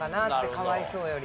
かわいそうより。